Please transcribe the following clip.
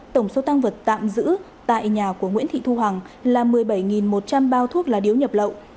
tổng số tăng vật tạm giữ tại nhà của nguyễn thị thu hằng là một mươi bảy một trăm linh bao thuốc lá điếu nhập lậu